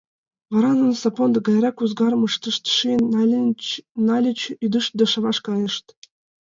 Вара нуно сапондо гайрак ӱзгарым ыштышт, шийын нальыч, ӱдышт да шаваш кайышт.